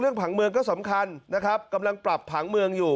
ผังเมืองก็สำคัญนะครับกำลังปรับผังเมืองอยู่